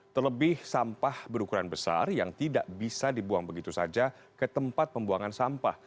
terlebih sampah berukuran besar yang tidak bisa dibuang begitu saja ke tempat pembuangan sampah